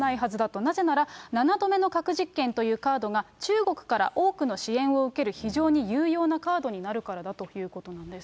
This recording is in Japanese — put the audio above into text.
なぜなら、７度目の核実験というカードが、中国から多くの支援を受ける非常に有用なカードになるからだということなんです。